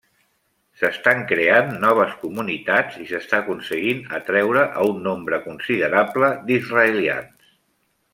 S'estan creant noves comunitats i s'està aconseguint atreure a un nombre considerable d'israelians.